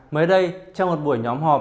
mới đây trong một buổi nhóm họp